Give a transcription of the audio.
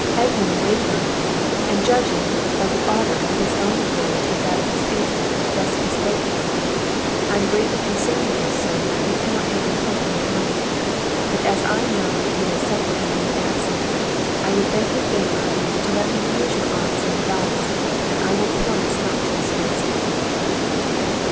Edmund waited on him; and judging by the ardour of his own courage of that of his patron, thus bespoke him: "I am greatly concerned, dear Sir, that we cannot have your company at night; but as I know what you will suffer in being absent, I would beg the favour of you to let me use your arms and device, and I will promise not to disgrace them."